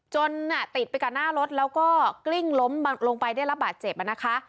ติดไปกับหน้ารถแล้วก็กลิ้งล้มลงไปได้รับบาดเจ็บนะคะ